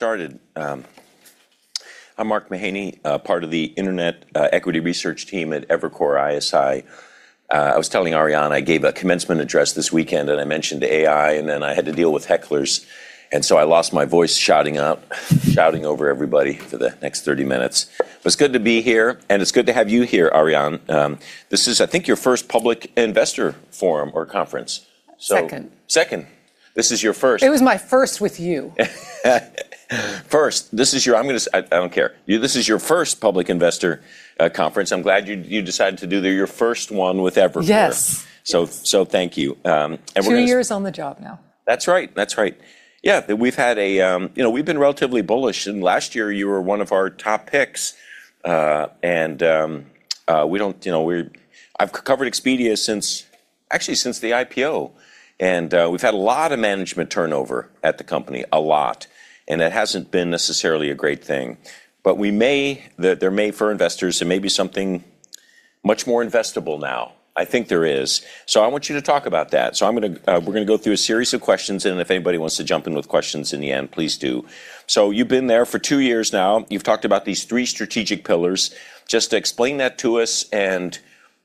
I'm Mark Mahaney, part of the internet equity research team at Evercore ISI. I was telling Ariane I gave a commencement address this weekend, I mentioned AI, then I had to deal with hecklers. So I lost my voice shouting up, shouting over everybody for the next 30 minutes. It's good to be here, it's good to have you here, Ariane. This is, I think, your first public investor forum or conference. Second. Second. This is your first. It was my first with you. First. I don't care. This is your first public investor conference. I'm glad you decided to do your first one with Evercore. Yes. Thank you. Two years on the job now. That's right. Yeah. We've been relatively bullish. Last year you were one of our top picks. I've covered Expedia actually since the IPO. We've had a lot of management turnover at the company. A lot. It hasn't been necessarily a great thing. There may, for investors, there may be something much more investable now. I think there is. I want you to talk about that. We're going to go through a series of questions, and if anybody wants to jump in with questions in the end, please do. You've been there for two years now. You've talked about these three strategic pillars. Just explain that to us.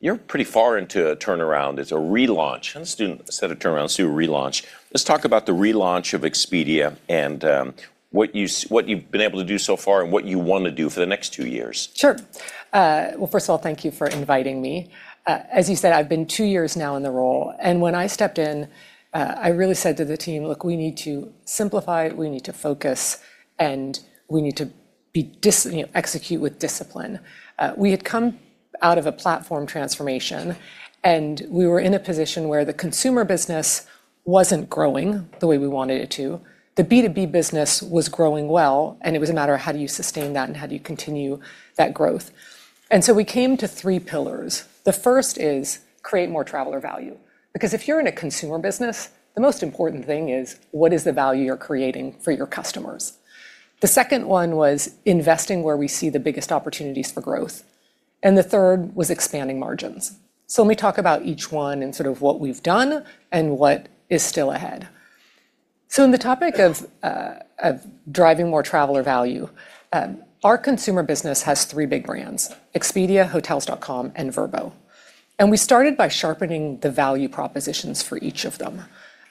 You're pretty far into a turnaround. It's a relaunch. Let's do instead of turnaround, let's do relaunch. Let's talk about the relaunch of Expedia and what you've been able to do so far and what you want to do for the next two years. Sure. Well, first of all, thank you for inviting me. As you said, I've been two years now in the role, and when I stepped in, I really said to the team, "Look, we need to simplify, we need to focus, and we need to execute with discipline." We had come out of a platform transformation, and we were in a position where the consumer business wasn't growing the way we wanted it to. The B2B business was growing well, and it was a matter of how do you sustain that and how do you continue that growth. We came to three pillars. The first is create more traveler value, because if you're in a consumer business, the most important thing is what is the value you're creating for your customers? The second one was investing where we see the biggest opportunities for growth, the third was expanding margins. Let me talk about each one and sort of what we've done and what is still ahead. On the topic of driving more traveler value our consumer business has three big brands, Expedia, Hotels.com, and Vrbo. We started by sharpening the value propositions for each of them.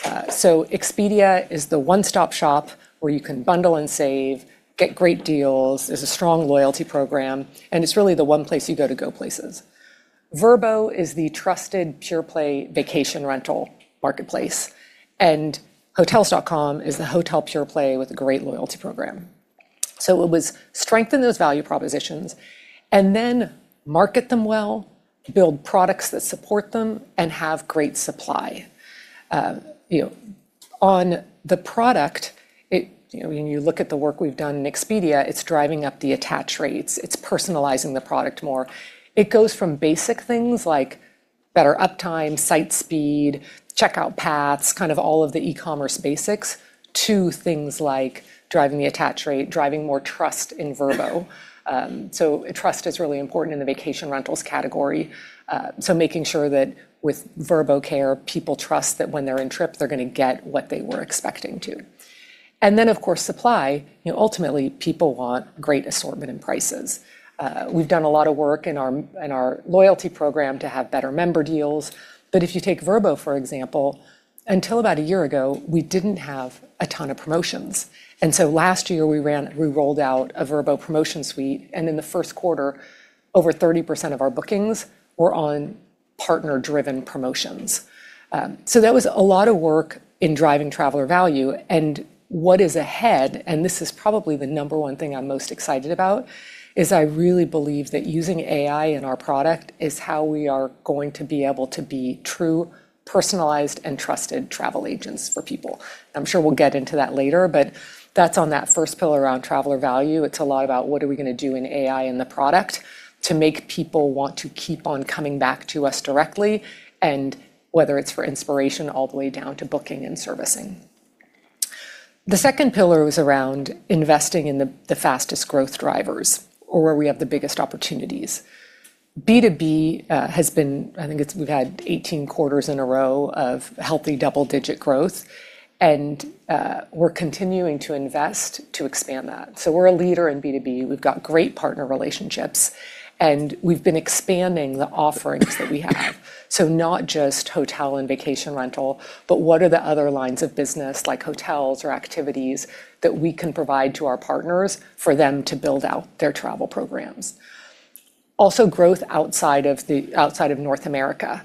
Expedia is the one-stop shop where you can bundle and save, get great deals. There's a strong loyalty program, and it's really the one place you go to go places. Vrbo is the trusted pure-play vacation rental marketplace, and Hotels.com is the hotel pure play with a great loyalty program. It was strengthen those value propositions and then market them well, build products that support them, and have great supply. On the product, when you look at the work we've done in Expedia, it's driving up the attach rates. It's personalizing the product more. It goes from basic things like better uptime, site speed, checkout paths, kind of all of the e-commerce basics, to things like driving the attach rate, driving more trust in Vrbo. Trust is really important in the vacation rentals category. Making sure that with VrboCare, people trust that when they're on trip, they're going to get what they were expecting to. Of course, supply. Ultimately, people want great assortment and prices. We've done a lot of work in our loyalty program to have better member deals. If you take Vrbo, for example, until about a year ago, we didn't have a ton of promotions. Last year, we rolled out a Vrbo promotion suite, and in the first quarter, over 30% of our bookings were on partner-driven promotions. That was a lot of work in driving traveler value. What is ahead, and this is probably the number one thing I'm most excited about, is I really believe that using AI in our product is how we are going to be able to be true, personalized, and trusted travel agents for people. I'm sure we'll get into that later, but that's on that first pillar around traveler value. It's a lot about what are we going to do in AI in the product to make people want to keep on coming back to us directly, and whether it's for inspiration all the way down to booking and servicing. The second pillar was around investing in the fastest growth drivers or where we have the biggest opportunities. I think we've had 18 quarters in a row of healthy double-digit growth, we're continuing to invest to expand that. We're a leader in B2B. We've got great partner relationships, we've been expanding the offerings that we have. Not just hotel and vacation rental, but what are the other lines of business, like hotels or activities, that we can provide to our partners for them to build out their travel programs? Also, growth outside of North America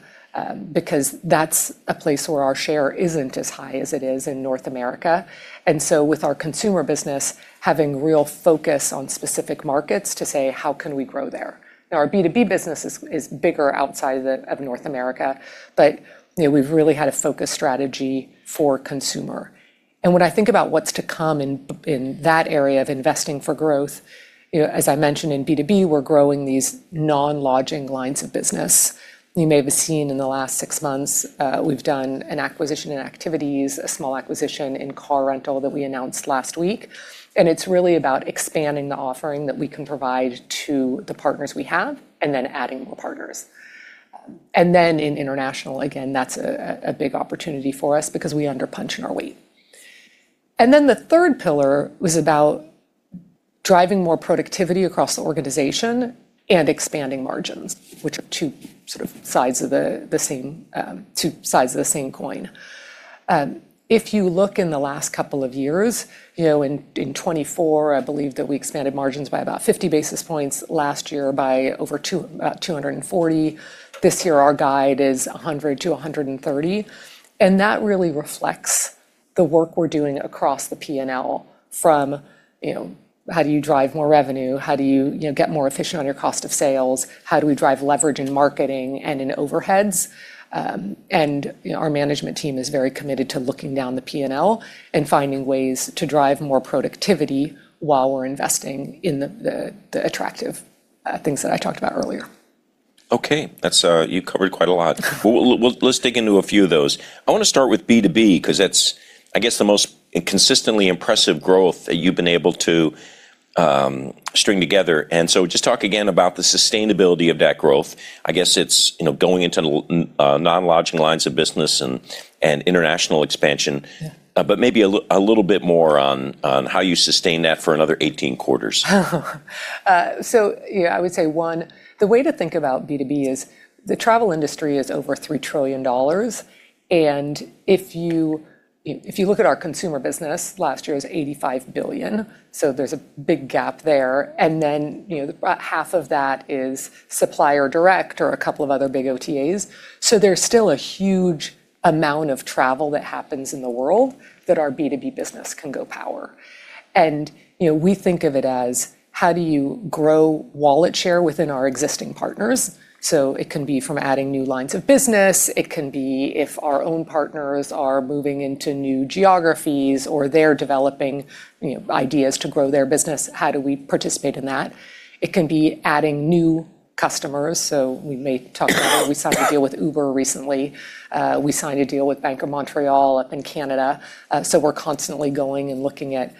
because that's a place where our share isn't as high as it is in North America. With our consumer business having real focus on specific markets to say, how can we grow there? Our B2B business is bigger outside of North America, but we've really had a focused strategy for consumer. When I think about what's to come in that area of investing for growth, as I mentioned in B2B, we're growing these non-lodging lines of business. You may have seen in the last six months we've done an acquisition in activities, a small acquisition in car rental that we announced last week, and it's really about expanding the offering that we can provide to the partners we have and then adding more partners. In international, again, that's a big opportunity for us because we under-punch in our weight. The third pillar was about driving more productivity across the organization and expanding margins, which are two sides of the same coin. If you look in the last couple of years, in 2024, I believe that we expanded margins by about 50 basis points, last year by over about 240 basis points. This year our guide is 100 basis points-130 basis points, that really reflects the work we're doing across the P&L from how do you drive more revenue, how do you get more efficient on your cost of sales, how do we drive leverage in marketing and in overheads? Our management team is very committed to looking down the P&L and finding ways to drive more productivity while we're investing in the attractive things that I talked about earlier. Okay. You covered quite a lot. Well, let's dig into a few of those. I want to start with B2B, because that's, I guess, the most consistently impressive growth that you've been able to string together. Just talk again about the sustainability of that growth. I guess it's going into non-lodging lines of business and international expansion. Yeah. Maybe a little bit more on how you sustain that for another 18 quarters. Yeah, I would say, one, the way to think about B2B is the travel industry is over $3 trillion. If you look at our consumer business, last year was $85 billion, so there's a big gap there. About half of that is supplier direct or a couple of other big OTAs. There's still a huge amount of travel that happens in the world that our B2B business can go power. We think of it as how do you grow wallet share within our existing partners? It can be from adding new lines of business. It can be if our own partners are moving into new geographies or they're developing ideas to grow their business, how do we participate in that? It can be adding new customers. We signed a deal with Uber recently. We signed a deal with Bank of Montreal up in Canada. We're constantly going and looking at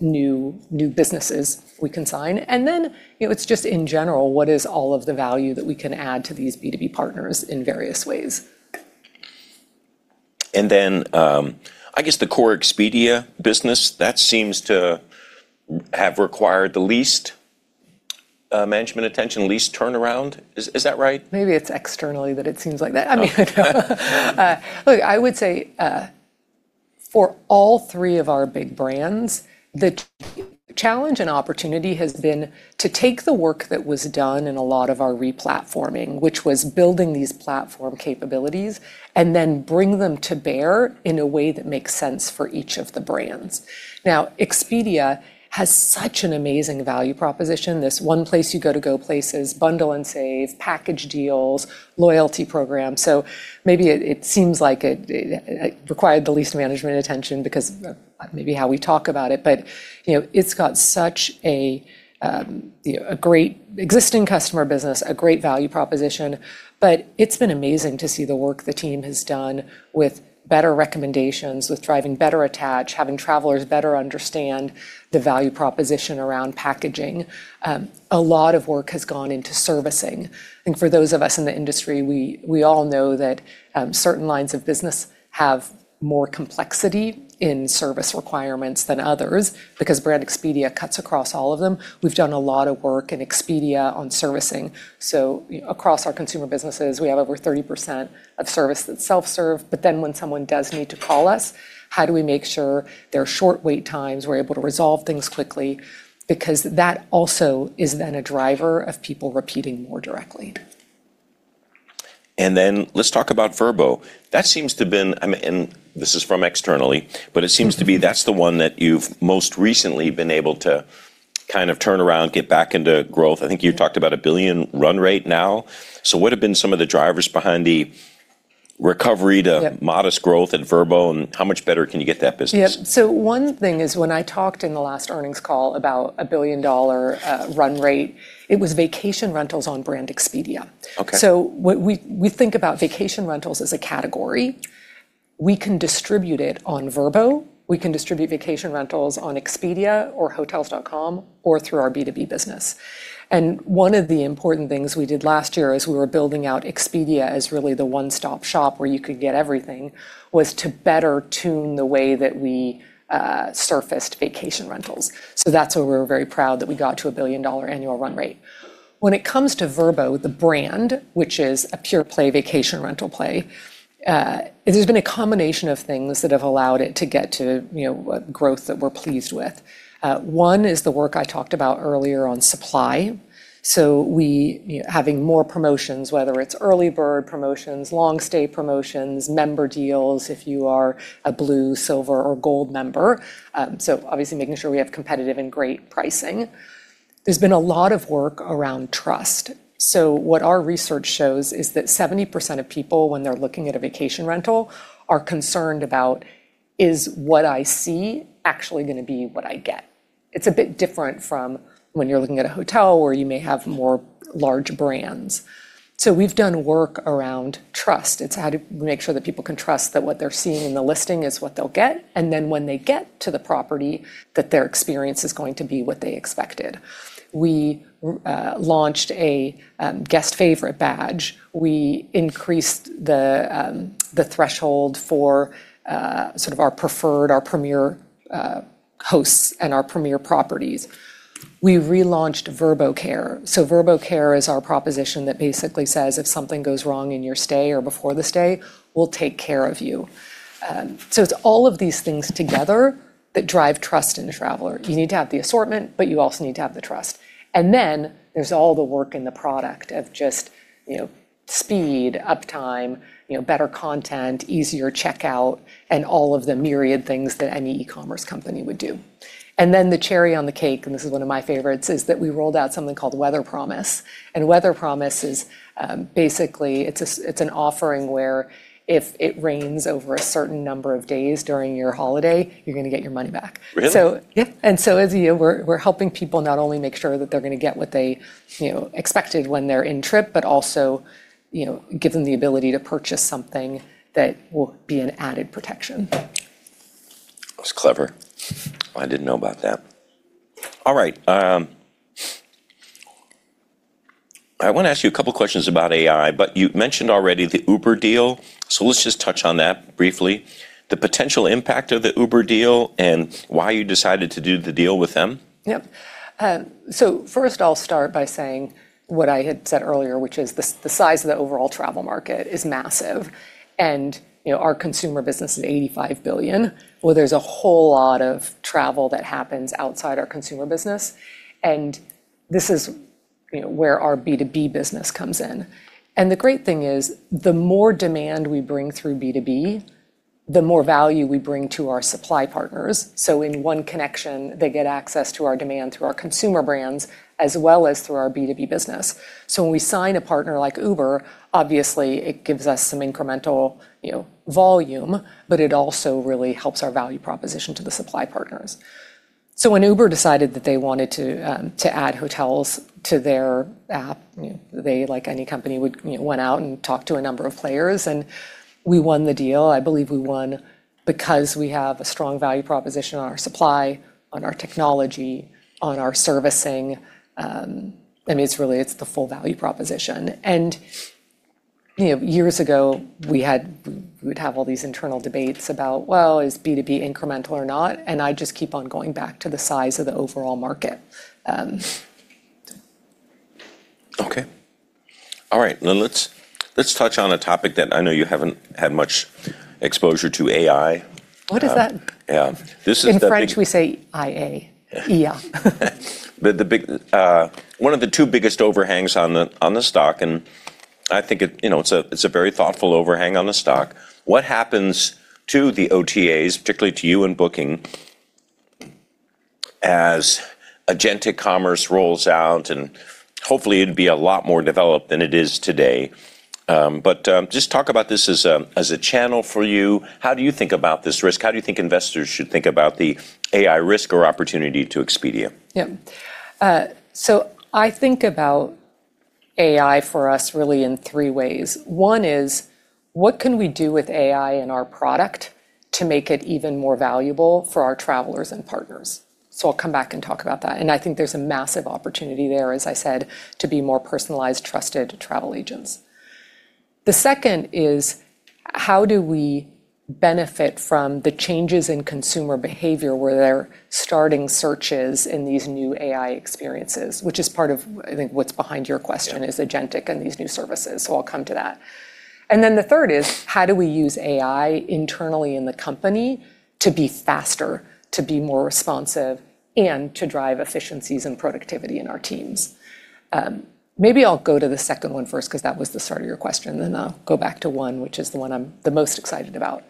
new businesses we can sign. It's just in general, what is all of the value that we can add to these B2B partners in various ways? I guess the core Expedia business, that seems to have required the least management attention, least turnaround. Is that right? Maybe it's externally that it seems like that. I mean look, I would say, for all three of our big brands, the challenge and opportunity has been to take the work that was done in a lot of our re-platforming, which was building these platform capabilities, and then bring them to bear in a way that makes sense for each of the brands. Expedia has such an amazing value proposition. This one place you go to go places, bundle and save, package deals, loyalty program. Maybe it seems like it required the least management attention because of maybe how we talk about it. It's got such a great existing customer business, a great value proposition. It's been amazing to see the work the team has done with better recommendations, with driving better attach, having travelers better understand the value proposition around packaging. A lot of work has gone into servicing. I think for those of us in the industry, we all know that certain lines of business have more complexity in service requirements than others. Brand Expedia cuts across all of them, we've done a lot of work in Expedia on servicing. Across our consumer businesses, we have over 30% of service that's self-serve. When someone does need to call us, how do we make sure there are short wait times, we're able to resolve things quickly? That also is then a driver of people repeating more directly. Let's talk about Vrbo. That seems to have been, and this is from externally, but it seems to be that's the one that you've most recently been able to kind of turn around, get back into growth. I think you talked about a $1 billion run rate now. What have been some of the drivers behind the recovery? Yeah. Modest growth at Vrbo, and how much better can you get that business? Yeah. One thing is, when I talked in the last earnings call about a billion-dollar run rate, it was vacation rentals on brand Expedia. Okay. We think about vacation rentals as a category. We can distribute it on Vrbo. We can distribute vacation rentals on Expedia or hotels.com or through our B2B business. One of the important things we did last year as we were building out Expedia as really the one-stop shop where you could get everything, was to better tune the way that we surfaced vacation rentals. That's where we're very proud that we got to a billion-dollar annual run rate. When it comes to Vrbo, the brand, which is a pure play vacation rental play, there's been a combination of things that have allowed it to get to growth that we're pleased with. One is the work I talked about earlier on supply, so we having more promotions, whether it's early bird promotions, long stay promotions, member deals if you are a Blue, Silver, or Gold member. Obviously making sure we have competitive and great pricing. There's been a lot of work around trust. What our research shows is that 70% of people when they're looking at a vacation rental are concerned about, is what I see actually going to be what I get? It's a bit different from when you're looking at a hotel where you may have more large brands. We've done work around trust. It's how to make sure that people can trust that what they're seeing in the listing is what they'll get, and then when they get to the property, that their experience is going to be what they expected. We launched a Guest Favorites badge. We increased the threshold for sort of our preferred, our premier hosts and our premier properties. We relaunched VrboCare. VrboCare is our proposition that basically says if something goes wrong in your stay or before the stay, we'll take care of you. It's all of these things together that drive trust in the traveler. You need to have the assortment, but you also need to have the trust. There's all the work in the product of just speed, uptime, better content, easier checkout, and all of the myriad things that any e-commerce company would do. The cherry on the cake, and this is one of my favorites, is that we rolled out something called Weather Promise. Weather Promise is basically, it's an offering where if it rains over a certain number of days during your holiday, you're going to get your money back. Really? Yeah. As you know, we're helping people not only make sure that they're going to get what they expected when they're in trip, but also, give them the ability to purchase something that will be an added protection. That's clever. I didn't know about that. All right. I want to ask you a couple of questions about AI. You mentioned already the Uber deal. Let's just touch on that briefly, the potential impact of the Uber deal, and why you decided to do the deal with them. Yep. First I'll start by saying what I had said earlier, which is the size of the overall travel market is massive and our consumer business is $85 billion, where there's a whole lot of travel that happens outside our consumer business, and this is where our B2B business comes in. The great thing is, the more demand we bring through B2B, the more value we bring to our supply partners. In one connection, they get access to our demand through our consumer brands as well as through our B2B business. When we sign a partner like Uber, obviously it gives us some incremental volume, but it also really helps our value proposition to the supply partners. When Uber decided that they wanted to add hotels to their app, they like any company went out and talked to a number of players, and we won the deal. I believe we won because we have a strong value proposition on our supply, on our technology, on our servicing. I mean, it's the full value proposition. Years ago we'd have all these internal debates about, well, is B2B incremental or not? I'd just keep on going back to the size of the overall market. Okay. All right. Let's touch on a topic that I know you haven't had much exposure to, AI. What is that? Yeah. In French, we say IA. IA. One of the two biggest overhangs on the stock and I think it's a very thoughtful overhang on the stock. What happens to the OTAs, particularly to you and Booking, as agentic commerce rolls out and hopefully it'd be a lot more developed than it is today. Just talk about this as a channel for you. How do you think about this risk? How do you think investors should think about the AI risk or opportunity to Expedia? Yep. I think about AI for us really in three ways. One is, what can we do with AI and our product to make it even more valuable for our travelers and partners? I'll come back and talk about that. I think there's a massive opportunity there, as I said, to be more personalized, trusted travel agents. The second is, how do we benefit from the changes in consumer behavior where they're starting searches in these new AI experiences? Which is part of, I think, what's behind your question. Yeah. Is agentic and these new services. I'll come to that. The third is, how do we use AI internally in the company to be faster, to be more responsive, and to drive efficiencies and productivity in our teams? Maybe I'll go to the second one first, because that was the start of your question, then I'll go back to one, which is the one I'm the most excited about.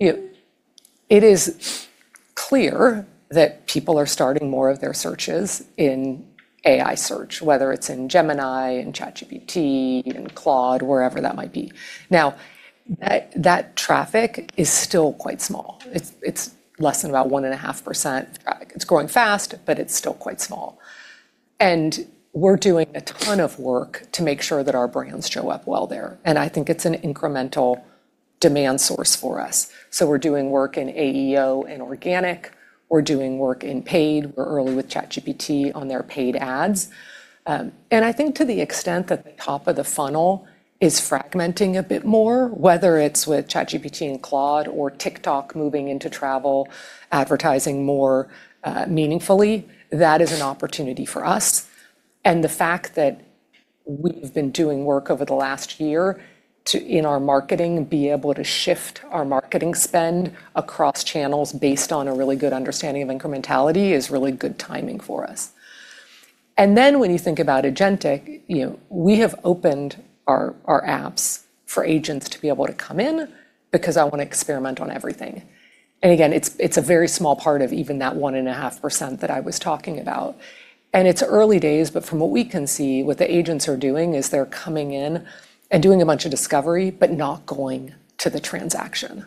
It is clear that people are starting more of their searches in AI search, whether it's in Gemini, in ChatGPT, in Claude, wherever that might be. Now, that traffic is still quite small. It's less than about 1.5% traffic. It's growing fast, but it's still quite small. We're doing a ton of work to make sure that our brands show up well there, and I think it's an incremental demand source for us. We're doing work in AEO and organic. We're doing work in paid. We're early with ChatGPT on their paid ads. I think to the extent that the top of the funnel is fragmenting a bit more, whether it's with ChatGPT and Claude or TikTok moving into travel advertising more meaningfully, that is an opportunity for us. The fact that we've been doing work over the last year in our marketing, being able to shift our marketing spend across channels based on a really good understanding of incrementality is really good timing for us. When you think about agentic, we have opened our apps for agents to be able to come in, because I want to experiment on everything. Again, it's a very small part of even that 1.5% that I was talking about. It's early days, but from what we can see, what the agents are doing is they're coming in and doing a bunch of discovery, but not going to the transaction.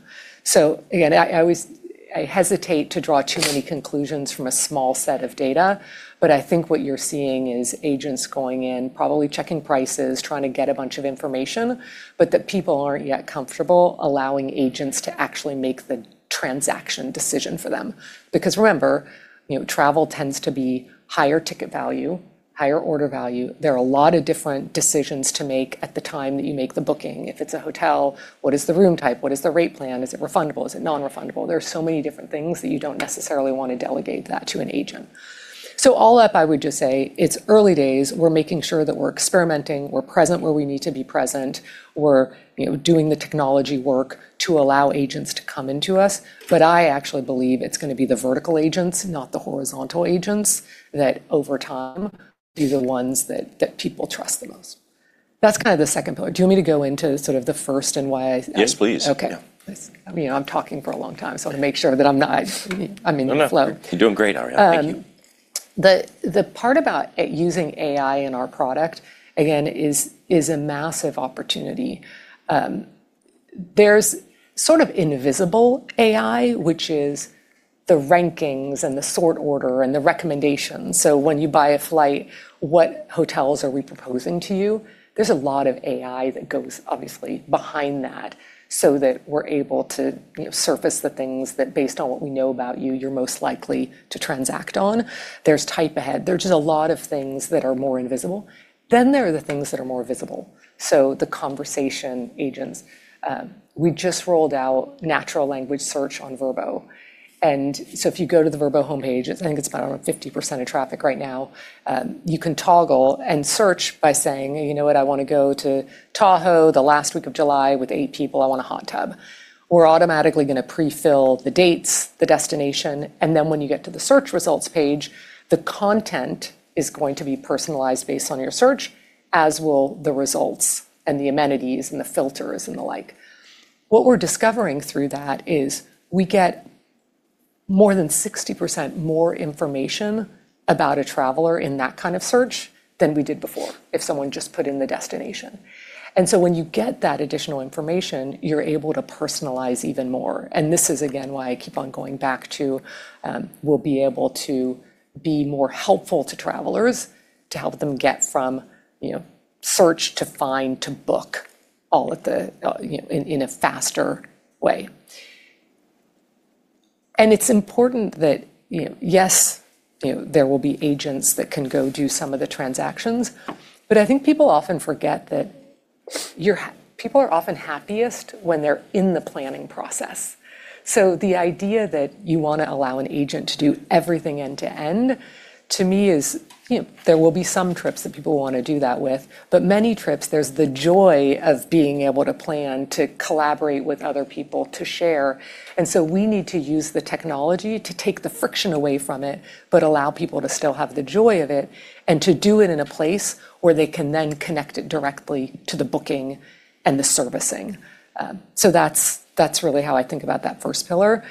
Again, I hesitate to draw too many conclusions from a small set of data, but I think what you're seeing is agents going in, probably checking prices, trying to get a bunch of information, but that people aren't yet comfortable allowing agents to actually make the transaction decision for them. Remember, travel tends to be higher ticket value, higher order value. There are a lot of different decisions to make at the time that you make the booking. If it's a hotel, what is the room type? What is the rate plan? Is it refundable? Is it non-refundable? There are so many different things that you don't necessarily want to delegate that to an agent. All up, I would just say it's early days. We're making sure that we're experimenting. We're present where we need to be present. We're doing the technology work to allow agents to come into us. I actually believe it's going to be the vertical agents, not the horizontal agents, that over time will be the ones that people trust the most. That's the second pillar. Do you want me to go into the first and why? Yes, please. Okay. Yeah. I'm talking for a long time, so to make sure that I'm not. No, you're doing great, Ariane. Thank you. The part about using AI in our product, again, is a massive opportunity. There's sort of invisible AI, which is the rankings and the sort order and the recommendations. When you buy a flight, what hotels are we proposing to you? There's a lot of AI that goes obviously behind that so that we're able to surface the things that based on what we know about you're most likely to transact on. There's type ahead. There are just a lot of things that are more invisible. There are the things that are more visible. The conversation agents. We just rolled out natural language search on Vrbo. If you go to the Vrbo homepage, I think it's about over 50% of traffic right now, you can toggle and search by saying, "You know what? I want to go to Tahoe the last week of July with eight people. I want a hot tub." We're automatically going to pre-fill the dates, the destination, and then when you get to the search results page, the content is going to be personalized based on your search, as will the results and the amenities and the filters and the like. What we're discovering through that is we get more than 60% more information about a traveler in that kind of search than we did before if someone just put in the destination. When you get that additional information, you're able to personalize even more. This is again why I keep on going back to, we'll be able to be more helpful to travelers to help them get from search to find to book in a faster way. It's important that, yes, there will be agents that can go do some of the transactions, but I think people often forget that people are often happiest when they're in the planning process. The idea that you want to allow an agent to do everything end to end, to me is there will be some trips that people want to do that with. Many trips, there's the joy of being able to plan, to collaborate with other people, to share. We need to use the technology to take the friction away from it, but allow people to still have the joy of it, and to do it in a place where they can then connect it directly to the booking and the servicing. That's really how I think about that first pillar.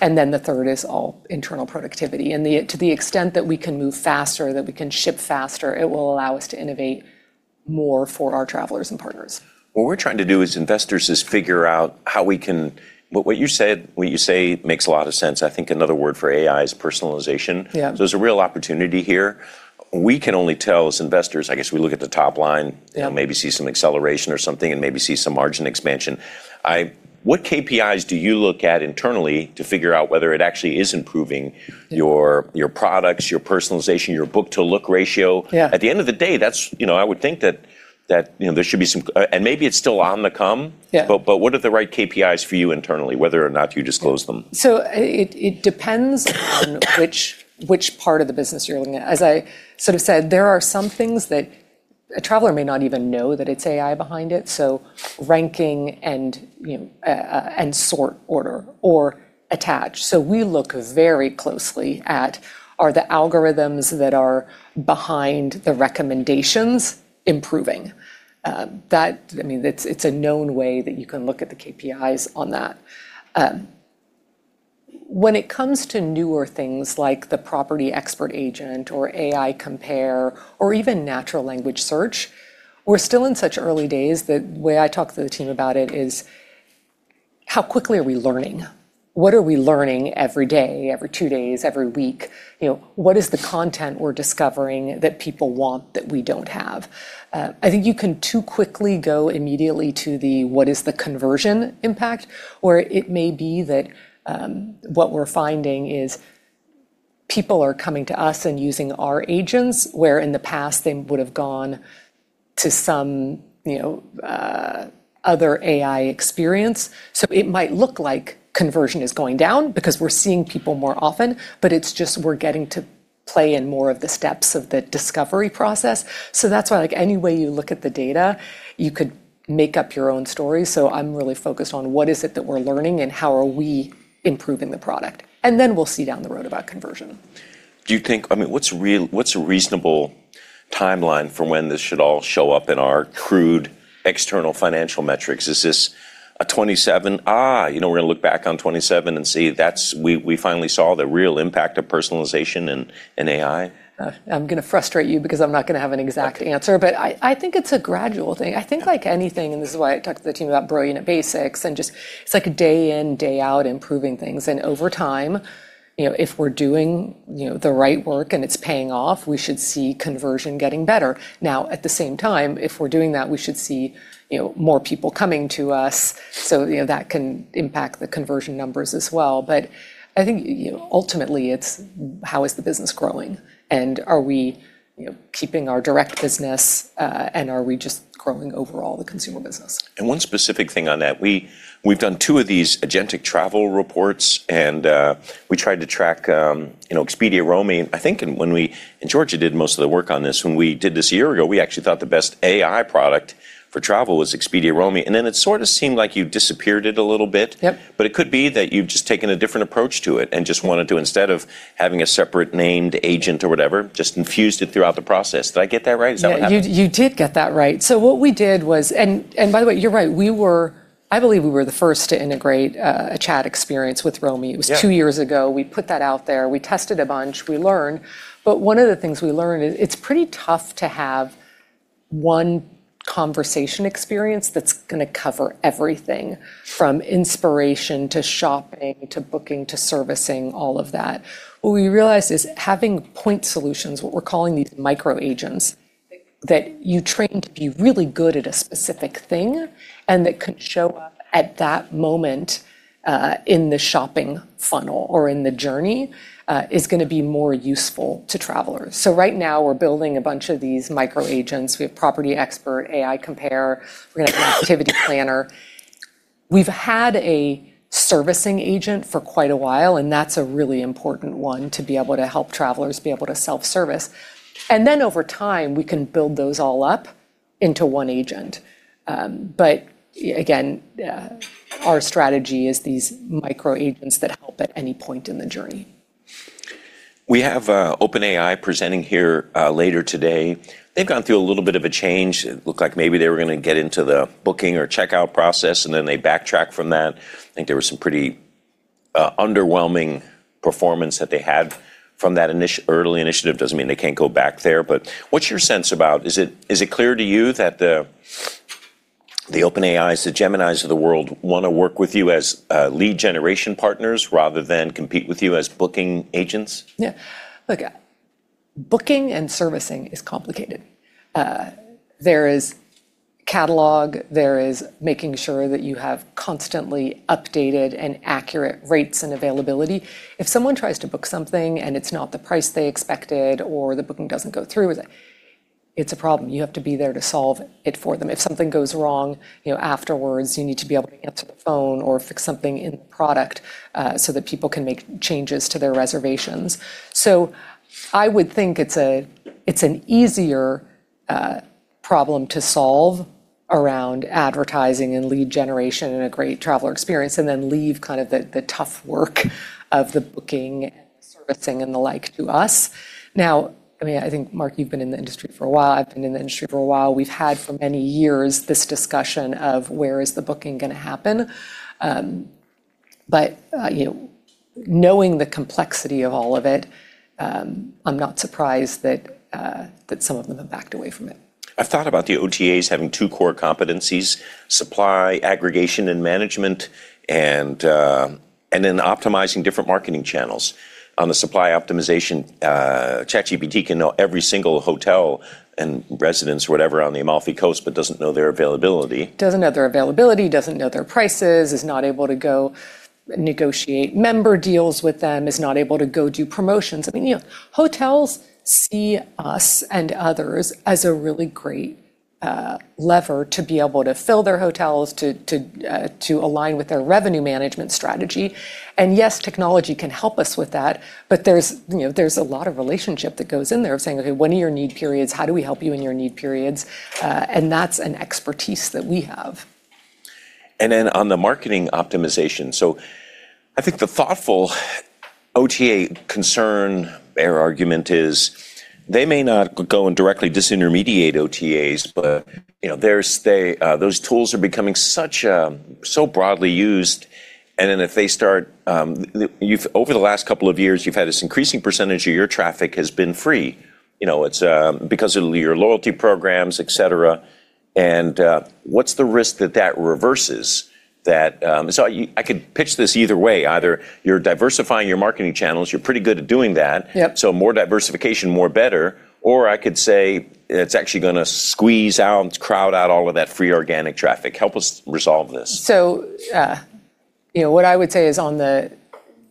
Then the third is all internal productivity. To the extent that we can move faster, that we can ship faster, it will allow us to innovate more for our travelers and partners. What we're trying to do as investors is figure out what you say makes a lot of sense. I think another word for AI is personalization. Yeah. There's a real opportunity here. We can only tell as investors, I guess we look at the top line- Yeah. Maybe see some acceleration or something and maybe see some margin expansion. What KPIs do you look at internally to figure out whether it actually is improving your products, your personalization, your book-to look ratio? Yeah. At the end of the day, I would think that there should be, maybe it's still on the come. Yeah. What are the right KPIs for you internally, whether or not you disclose them? It depends on which part of the business you're looking at. As I sort of said, there are some things that a traveler may not even know that it's AI behind it. Ranking and sort order or attach. We look very closely at are the algorithms that are behind the recommendations improving. It's a known way that you can look at the KPIs on that. When it comes to newer things like the Property Expert agent or AI Compare or even natural language search, we're still in such early days. The way I talk to the team about it is how quickly are we learning? What are we learning every day, every two days, every week? What is the content we're discovering that people want that we don't have? I think you can too quickly go immediately to the what is the conversion impact. It may be that what we're finding is people are coming to us and using our agents, where in the past they would've gone to some other AI experience. It might look like conversion is going down because we're seeing people more often, but it's just we're getting to play in more of the steps of the discovery process. That's why, any way you look at the data, you could make up your own story. I'm really focused on what is it that we're learning and how are we improving the product? We'll see down the road about conversion. What's a reasonable timeline for when this should all show up in our crude external financial metrics? Is this a 2027, "we're going to look back on 2027 and see we finally saw the real impact of personalization and AI"? I'm going to frustrate you because I'm not going to have an exact answer, but I think it's a gradual thing. I think like anything, this is why I talk to the team about brilliant basics and just it's like a day in, day out improving things. Over time, if we're doing the right work and it's paying off, we should see conversion getting better. Now, at the same time, if we're doing that, we should see more people coming to us, so that can impact the conversion numbers as well. I think ultimately it's how is the business growing and are we keeping our direct business, and are we just growing overall the consumer business? One specific thing on that, we've done two of these agentic travel reports, and we tried to track Expedia Romie. I think when we, and Georgia did most of the work on this, when we did this a year ago, we actually thought the best AI product for travel was Expedia Romie, and then it sort of seemed like you disappeared it a little bit. Yep. It could be that you've just taken a different approach to it and just wanted to, instead of having a separate named agent or whatever, just infused it throughout the process. Did I get that right? Is that what happened? Yeah, you did get that right. What we did was, by the way, you're right. I believe we were the first to integrate a chat experience with Romie. Yeah. It was two years ago. We put that out there. We tested a bunch. We learned. One of the things we learned is it's pretty tough to have one conversation experience that's going to cover everything, from inspiration to shopping, to booking, to servicing, all of that. What we realized is having point solutions, what we're calling these microagents, that you train to be really good at a specific thing, and that can show up at that moment, in the shopping funnel or in the journey, is going to be more useful to travelers. Right now, we're building a bunch of these microagents. We have Property Expert, AI Compare. We're going to have an Activity Planner. We've had a servicing agent for quite a while, and that's a really important one to be able to help travelers be able to self-service. Over time, we can build those all up into one agent. Again, our strategy is these microagents that help at any point in the journey. We have OpenAI presenting here later today. They've gone through a little bit of a change. It looked like maybe they were going to get into the booking or checkout process, and then they backtracked from that. I think there was some pretty underwhelming performance that they had from that early initiative. Doesn't mean they can't go back there. What's your sense? Is it clear to you that the OpenAIs, the Geminis of the world, want to work with you as lead generation partners rather than compete with you as booking agents? Yeah. Look, booking and servicing is complicated. There is catalog. There is making sure that you have constantly updated and accurate rates and availability. If someone tries to book something and it's not the price they expected or the booking doesn't go through, it's a problem. You have to be there to solve it for them. If something goes wrong afterwards, you need to be able to answer the phone or fix something in the product, so that people can make changes to their reservations. I would think it's an easier problem to solve around advertising and lead generation and a great traveler experience and then leave kind of the tough work of the booking and the servicing and the like to us. Now, I think, Mark, you've been in the industry for a while. I've been in the industry for a while. We've had for many years this discussion of where is the booking going to happen. Knowing the complexity of all of it, I'm not surprised that some of them have backed away from it. I've thought about the OTAs having two core competencies, supply aggregation and management and then optimizing different marketing channels. On the supply optimization, ChatGPT can know every single hotel and residence or whatever on the Amalfi Coast but doesn't know their availability. Doesn't know their availability, doesn't know their prices, is not able to go negotiate member deals with them, is not able to go do promotions. Hotels see us and others as a really great lever to be able to fill their hotels, to align with their revenue management strategy, yes, technology can help us with that, but there's a lot of relationship that goes in there of saying, "Okay, when are your need periods? How do we help you in your need periods?" That's an expertise that we have. On the marketing optimization. I think the thoughtful OTA concern or argument is they may not go and directly disintermediate OTAs, but those tools are becoming so broadly used. Over the last couple of years, you've had this increasing percentage of your traffic has been free. It's because of your loyalty programs, et cetera, and what's the risk that that reverses that? I could pitch this either way. Either you're diversifying your marketing channels, you're pretty good at doing that. Yep. More diversification, more better. I could say it's actually going to squeeze out, crowd out all of that free organic traffic. Help us resolve this. What I would say is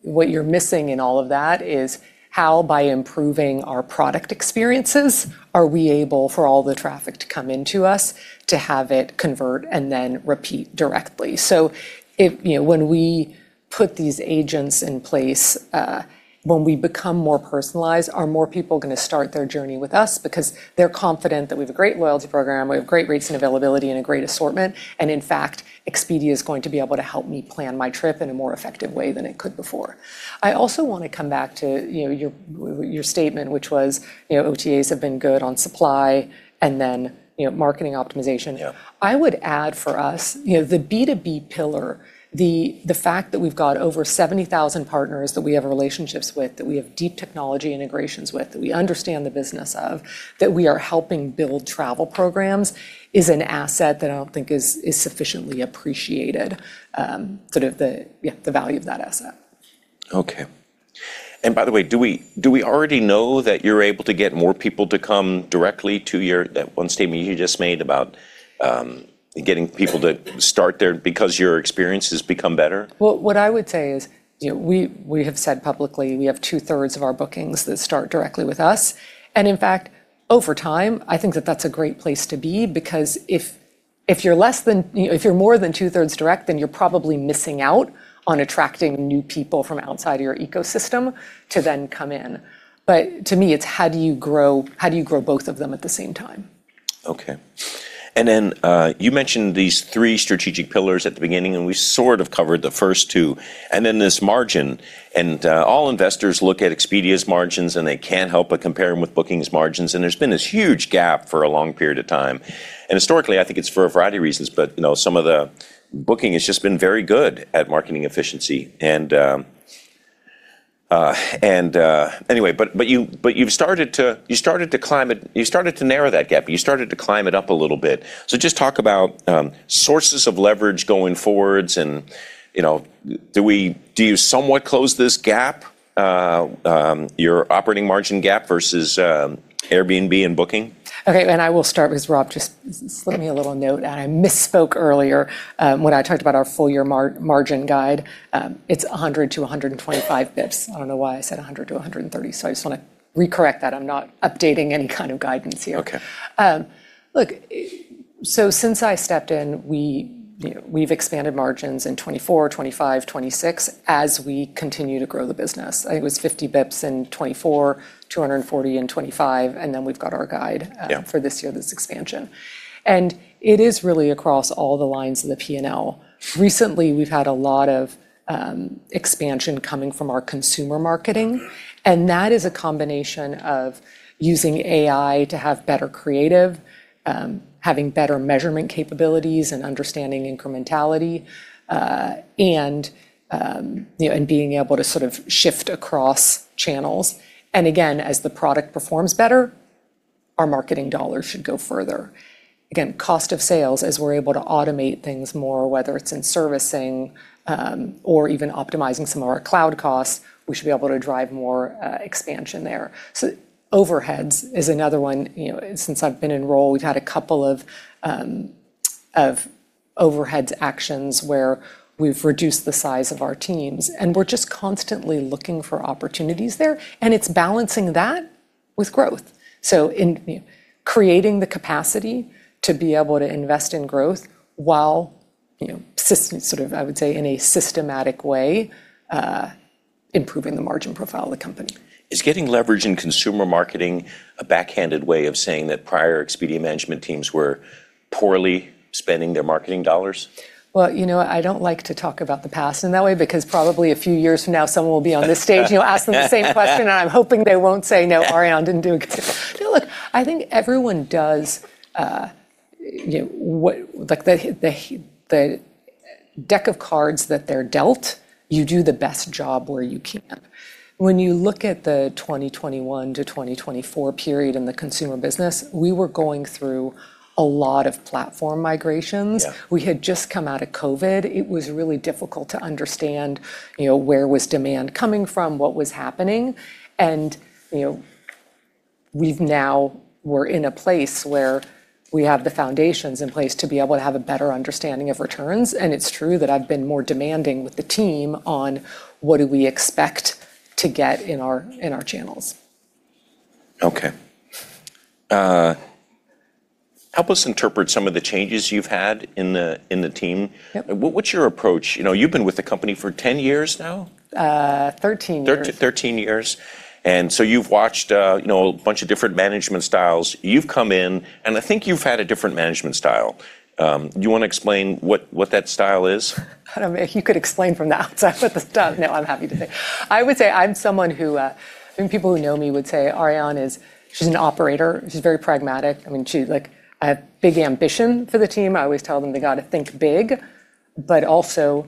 what you're missing in all of that is how, by improving our product experiences, are we able for all the traffic to come into us, to have it convert, and then repeat directly. When we put these agents in place, when we become more personalized, are more people going to start their journey with us because they're confident that we have a great loyalty program, we have great rates and availability, and a great assortment, and in fact, Expedia is going to be able to help me plan my trip in a more effective way than it could before. I also want to come back to your statement, which was OTAs have been good on supply and then marketing optimization. Yeah. I would add for us, the B2B pillar, the fact that we've got over 70,000 partners that we have relationships with, that we have deep technology integrations with, that we understand the business of, that we are helping build travel programs, is an asset that I don't think is sufficiently appreciated. Sort of the value of that asset. Okay. By the way, do we already know that you're able to get more people to come directly to That one statement you just made about getting people to start there because your experience has become better? Well, what I would say is we have said publicly we have two-thirds of our bookings that start directly with us, and in fact, over time, I think that that's a great place to be because if you're more than two-thirds direct, then you're probably missing out on attracting new people from outside your ecosystem to then come in. To me, it's how do you grow both of them at the same time? Okay. You mentioned these three strategic pillars at the beginning, we sort of covered the first two, there's margin. All investors look at Expedia's margins, they can't help but compare them with Booking's margins. There's been this huge gap for a long period of time. Historically, I think it's for a variety of reasons, Booking has just been very good at marketing efficiency. You've started to narrow that gap. You started to climb it up a little bit. Just talk about sources of leverage going forward and do you somewhat close this gap, your operating margin gap versus Airbnb and Booking? Okay. I will start because Rob just slipped me a little note. I misspoke earlier when I talked about our full-year margin guide. It's 100-125 basis points. I don't know why I said 100-130. I just want to re-correct that. I'm not updating any kind of guidance here. Okay. Look, since I stepped in, we've expanded margins in 2024, 2025, 2026, as we continue to grow the business. I think it was 50 basis points in 2024, 240 basis points in 2025, we've got our guide. Yeah. For this year, this expansion, and it is really across all the lines in the P&L. Recently, we've had a lot of expansion coming from our consumer marketing, and that is a combination of using AI to have better creative, having better measurement capabilities, and understanding incrementality, and being able to sort of shift across channels. Again, as the product performs better, our marketing dollars should go further. Again, cost of sales, as we're able to automate things more, whether it's in servicing or even optimizing some of our cloud costs, we should be able to drive more expansion there. Overheads is another one. Since I've been in role, we've had a couple of overheads actions where we've reduced the size of our teams, and we're just constantly looking for opportunities there. It's balancing that with growth. In creating the capacity to be able to invest in growth while, I would say, in a systematic way, improving the margin profile of the company. Is getting leverage in consumer marketing a backhanded way of saying that prior Expedia management teams were poorly spending their marketing dollars? Well, I don't like to talk about the past in that way because probably a few years from now, someone will be on this stage, and you'll ask them the same question, and I'm hoping they won't say, "No, Ariane didn't do a good job." No, look, I think everyone does the deck of cards that they're dealt, you do the best job where you can. When you look at the 2021-2024 period in the consumer business, we were going through a lot of platform migrations. Yeah. We had just come out of COVID. It was really difficult to understand where was demand coming from, what was happening. We're in a place where we have the foundations in place to be able to have a better understanding of returns. It's true that I've been more demanding with the team on what do we expect to get in our channels. Okay. Help us interpret some of the changes you've had in the team. Yep. What's your approach? You've been with the company for 10 years now? 13 years. 13 years. You've watched a bunch of different management styles. You've come in, and I think you've had a different management style. Do you want to explain what that style is? You could explain from the outside, but no, I'm happy to say. I would say I'm someone I think people who know me would say, "Ariane is, she's an operator. She's very pragmatic." I have big ambition for the team. I always tell them they got to think big, but also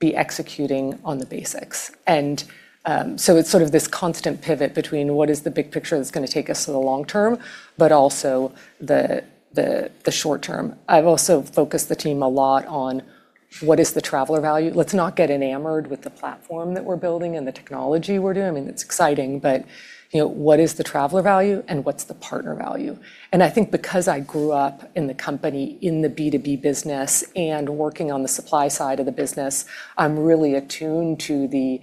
be executing on the basics. It's sort of this constant pivot between what is the big picture that's going to take us to the long term, but also the short term. I've also focused the team a lot on what is the traveler value. Let's not get enamored with the platform that we're building and the technology we're doing. It's exciting, but what is the traveler value and what's the partner value? I think because I grew up in the company, in the B2B business, and working on the supply side of the business, I'm really attuned to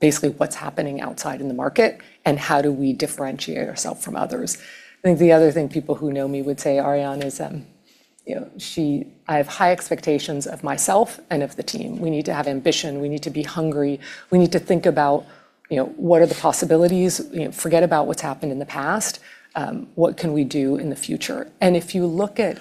basically what's happening outside in the market and how do we differentiate ourself from others. I think the other thing people who know me would say, 'Ariane is,' I have high expectations of myself and of the team. We need to have ambition. We need to be hungry. We need to think about what are the possibilities. Forget about what's happened in the past. What can we do in the future? If you look at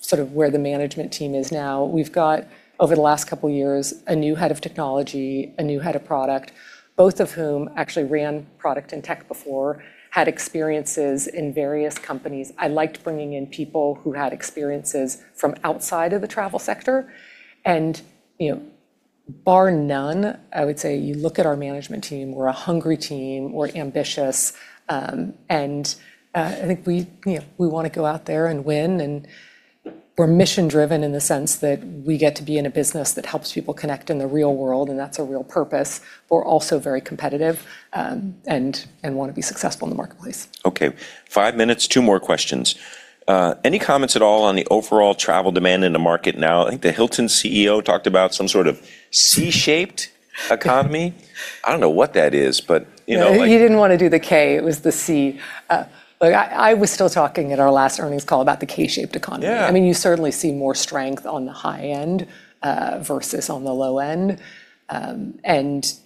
sort of where the management team is now, we've got, over the last couple of years, a new head of technology, a new head of product, both of whom actually ran product and tech before, had experiences in various companies. I liked bringing in people who had experiences from outside of the travel sector and bar none, I would say, you look at our management team, we're a hungry team. We're ambitious. I think we want to go out there and win, and we're mission-driven in the sense that we get to be in a business that helps people connect in the real world, and that's a real purpose. We're also very competitive, and want to be successful in the marketplace. Okay. Five minutes, two more questions. Any comments at all on the overall travel demand in the market now? I think the Hilton CEO talked about some sort of C-shaped economy. I don't know what that is. He didn't want to do the K, it was the C. Look, I was still talking at our last earnings call about the K-shaped economy. Yeah. You certainly see more strength on the high end versus on the low end. That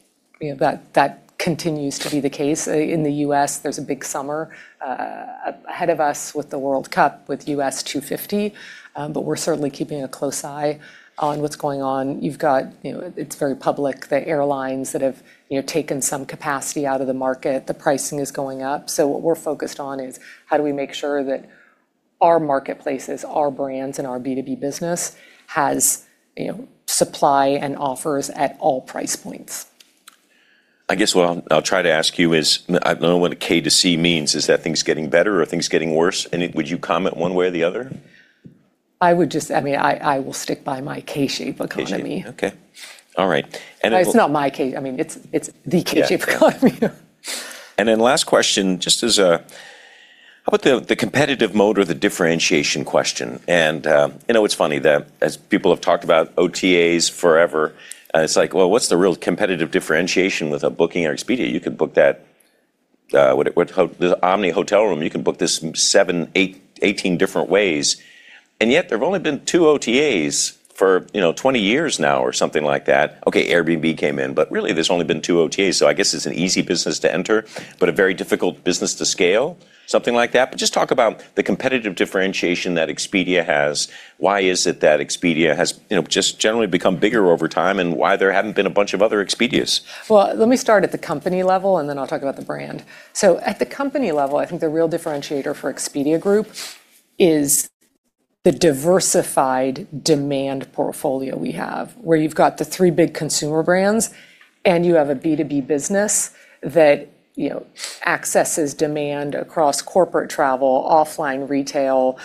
continues to be the case. In the U.S., there's a big summer ahead of us with the World Cup with U.S. 250. We're certainly keeping a close eye on what's going on. It's very public, the airlines that have taken some capacity out of the market, the pricing is going up. What we're focused on is how do we make sure that our marketplaces, our brands, and our B2B business has supply and offers at all price points. I guess what I'll try to ask you is, I don't know what a K to C means. Is that things getting better or are things getting worse? Would you comment one way or the other? I will stick by my K-shaped economy. K-shape. Okay. All right. It's not my K. It's the K-shaped economy. Yeah. Last question, just as how about the competitive mode or the differentiation question? It's funny that as people have talked about OTAs forever, it's like, well, what's the real competitive differentiation with a Booking at Expedia? You could book that, the Omni hotel room, you can book this 18 different ways, and yet there have only been two OTAs for 20 years now or something like that. Okay, Airbnb came in, but really there's only been two OTAs. I guess it's an easy business to enter, but a very difficult business to scale, something like that. Just talk about the competitive differentiation that Expedia has. Why is it that Expedia has just generally become bigger over time, and why there haven't been a bunch of other Expedias? Well, let me start at the company level, then I'll talk about the brand. At the company level, I think the real differentiator for Expedia Group is the diversified demand portfolio we have, where you've got the three big consumer brands, and you have a B2B business that accesses demand across corporate travel, offline retail,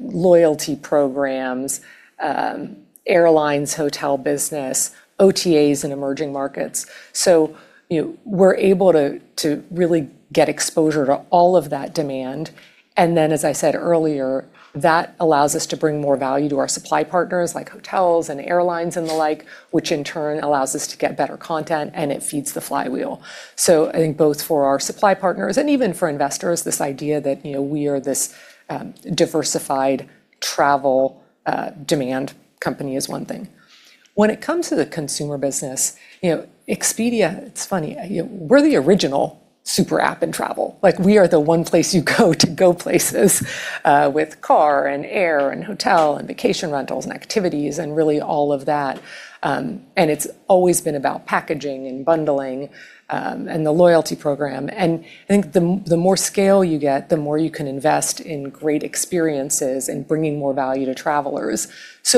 loyalty programs, airlines, hotel business, OTAs, and emerging markets. We're able to really get exposure to all of that demand. Then, as I said earlier, that allows us to bring more value to our supply partners, like hotels and airlines and the like, which in turn allows us to get better content, and it feeds the flywheel. I think both for our supply partners and even for investors, this idea that we are this diversified travel demand company is one thing. When it comes to the consumer business, Expedia, it's funny, we're the original super app in travel. We are the one place you go to go places, with car and air and hotel and vacation rentals and activities and really all of that. It's always been about packaging and bundling, and the loyalty program. I think the more scale you get, the more you can invest in great experiences and bringing more value to travelers.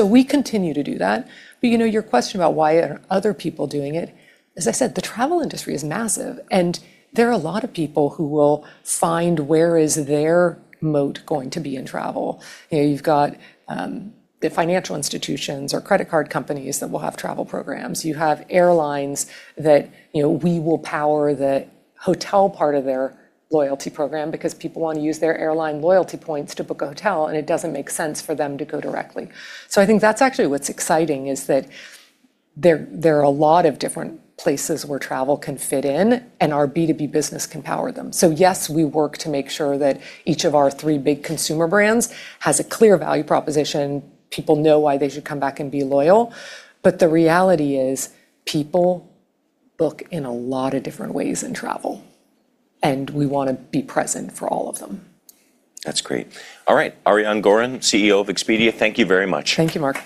We continue to do that. Your question about why aren't other people doing it, as I said, the travel industry is massive, and there are a lot of people who will find where is their moat going to be in travel. You've got the financial institutions or credit card companies that will have travel programs. You have airlines that we will power the hotel part of their loyalty program because people want to use their airline loyalty points to book a hotel, and it doesn't make sense for them to go directly. I think that's actually what's exciting is that there are a lot of different places where travel can fit in, and our B2B business can power them. Yes, we work to make sure that each of our three big consumer brands has a clear value proposition. People know why they should come back and be loyal. The reality is, people book in a lot of different ways in travel, and we want to be present for all of them. That's great. All right. Ariane Gorin, CEO of Expedia Group, thank you very much. Thank you, Mark.